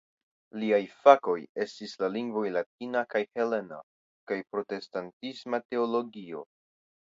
Liaj fakoj estis la lingvoj latina kaj helena kaj protestantisma teologio.